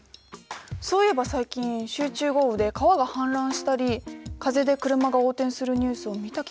そういえば最近集中豪雨で川が氾濫したり風で車が横転するニュースを見た気がする。